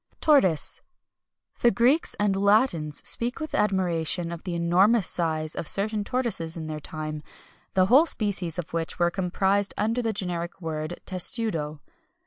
TORTOISE. The Greeks and Latins speak with admiration of the enormous size of certain tortoises in their time, the whole species of which were comprised under the generic word testudo.